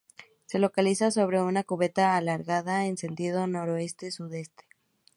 Se localiza sobre una cubeta alargada en sentido noroeste-sudeste.